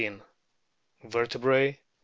Vertebrae, 65.